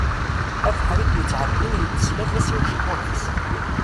Abeḥri i d-yettɛeddin yetteslaf-as i ucekkuḥ-is.